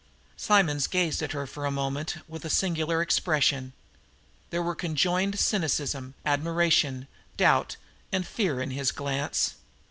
Simonds gazed at her for a moment with a singular expression. There were conjoined cynicism, admiration, doubt, and fear in his glance.